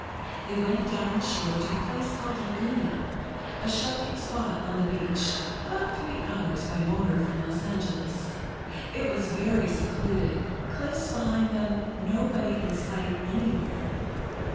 They went down the shore to a place called Laguna, a sheltered spot on the beach, about three hours by motor from Los Angeles. It was very secluded—cliffs behind them; nobody in sight anywhere.